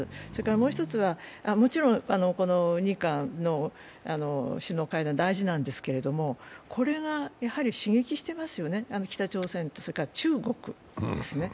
もう一つは、もちろん日韓の首脳会談、大事なんですけれどもこれが、やはり刺激してますよね、北朝鮮と中国ですね。